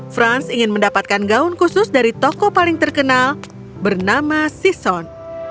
franz ingin mendapatkan gaun khusus dari toko paling terkenal bernama sison